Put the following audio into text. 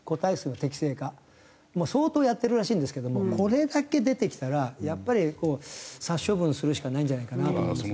相当やってるらしいんですけどもこれだけ出てきたらやっぱり殺処分するしかないんじゃないかなと思います。